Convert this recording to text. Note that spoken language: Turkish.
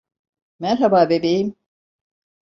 Merhaba bebeğim.